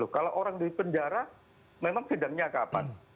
kalau orang di penjara memang sidangnya kapan